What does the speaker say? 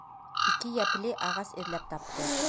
Ике йәпле ағас эҙләп тапты.